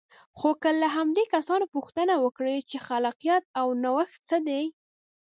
خو که له همدې کسانو پوښتنه وکړئ چې خلاقیت او نوښت څه دی.